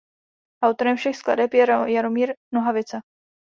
Autorem všech skladeb je Jaromír Nohavica.